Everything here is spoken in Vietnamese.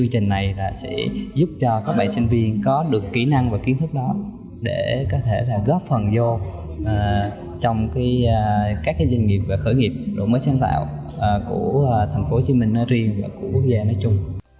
trình này sẽ giúp cho các bạn sinh viên có được kỹ năng và kiến thức đó để có thể góp phần vô trong các doanh nghiệp khởi nghiệp đổi mới sáng tạo của tp hcm riêng và của quốc gia nói chung